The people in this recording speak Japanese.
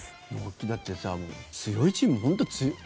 だってさ、強いチームほんと強い。